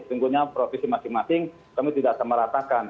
tentunya provinsi masing masing kami tidak akan meratakan